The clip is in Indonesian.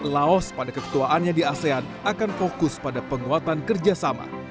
laos pada keketuaannya di asean akan fokus pada penguatan kerjasama